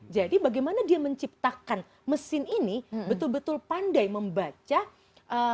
jadi bagaimana dia menciptakan mesin ini betul betul pandai membaca hasratnya